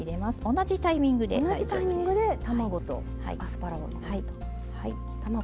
同じタイミングで卵とアスパラを。